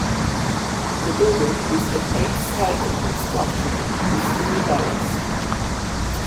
The building is an eight-sided concrete structure, with three levels.